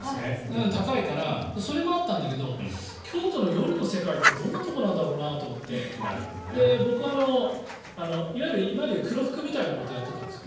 高いから、それもあったんだけど京都の夜の世界ってどんなところなんだろうと思って僕、いわゆる、今でいう黒服みたいなことをやってたんです。